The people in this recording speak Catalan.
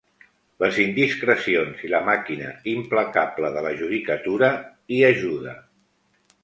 Les indiscrecions i la màquina implacable de la judicatura hi ajuda.